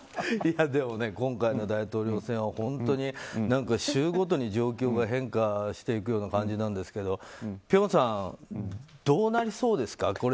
今回の大統領選は本当に週ごとに状況が変化していくような感じなんですけど辺さん、どうなりそうですか？